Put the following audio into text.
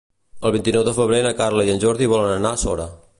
El vint-i-nou de febrer na Carla i en Jordi volen anar a Sora.